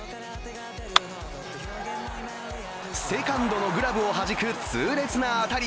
セカンドのグラブをはじく痛烈な当たり。